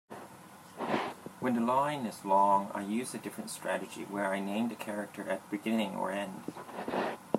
When the line is long, I use a different strategy where I name the character at the beginning or end.